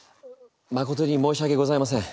誠に申し訳ございません。